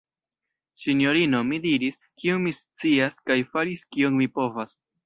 sinjorino, mi diris, kion mi scias, kaj faris, kion mi povas!